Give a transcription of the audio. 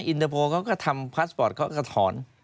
อินเตอร์โพลเขาก็ทำพาสปอร์ตเขาก็ถอน